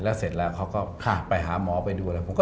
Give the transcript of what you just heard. แล้วเสร็จแล้วเขาก็ไปหาหมอไปดูอะไร